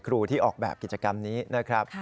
ครูที่ออกแบบกิจกรรมนี้นะครับ